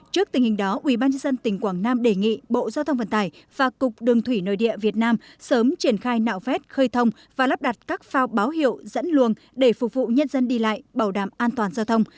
trước tình hình đó ubnd tỉnh quảng nam đề nghị bộ giao thông vận tải và cục đường thủy nội địa việt nam sớm triển khai nạo vét khơi thông và lắp đặt các phao báo hiệu dẫn luồng để phục vụ nhân dân đi lại bảo đảm an toàn giao thông